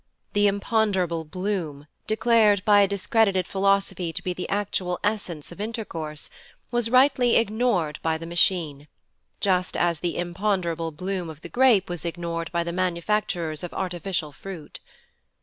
The imponderable bloom, declared by a discredited philosophy to be the actual essence of intercourse, was rightly ignored by the Machine, just as the imponderable bloom of the grape was ignored by the manufacturers of artificial fruit.